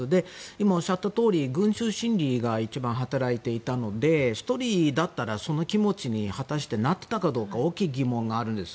今、おっしゃったとおり群集心理が一番働いていたので果たして１人だったらその気持ちになっていたかどうか大きい疑問があるんです。